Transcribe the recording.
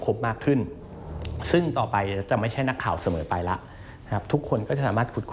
แต่ในปี๒๕๖๑ประมาณว่าจะส่งผลต่อ๕ด้าน